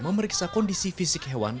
memeriksa kondisi fisik hewan